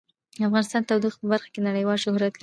افغانستان د تودوخه په برخه کې نړیوال شهرت لري.